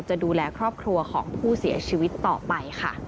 จะดูแลครอบครัวของผู้เสียชีวิตต่อไปค่ะ